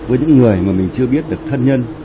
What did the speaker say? với những người mà mình chưa biết được thân nhân